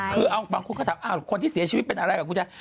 คือบางคนก็ถามคนที่เสียชีวิตเป็นอะไรกับแจ๊ส